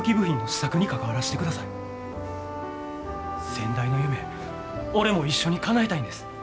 先代の夢俺も一緒にかなえたいんです。